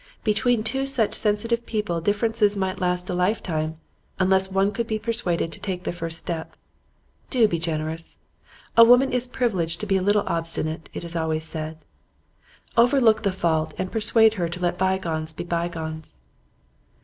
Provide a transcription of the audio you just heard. Between two such sensitive people differences might last a lifetime, unless one could be persuaded to take the first step. Do be generous! A woman is privileged to be a little obstinate, it is always said. Overlook the fault, and persuade her to let bygones be bygones.